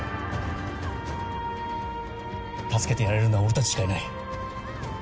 助けてやれるのは俺たちしかいない。